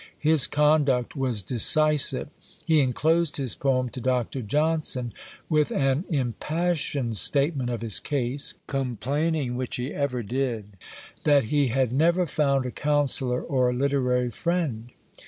His conduct was decisive. He enclosed his poem to Dr. Johnson, with an impassioned statement of his case, complaining, which he ever did, that he had never found a counsellor or literary friend.